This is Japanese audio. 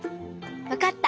わかった！